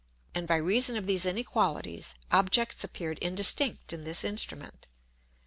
And by reason of these Inequalities, Objects appeared indistinct in this Instrument.